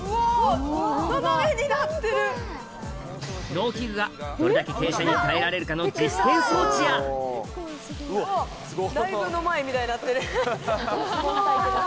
農機具がどれだけ傾斜に耐えられるかの実験装置やになってる。